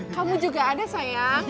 kamu juga ada sayang